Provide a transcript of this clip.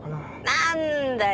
何だよ